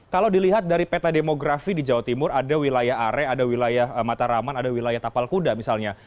kalau dilihat dari peta demografi di jawa timur ada wilayah are ada wilayah mataraman ada wilayah tapal kuda misalnya